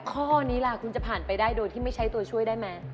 ข้อนี้ล่ะคุณจะผ่านไปได้โดยที่ไม่ใช้ตัวช่วยได้ไหม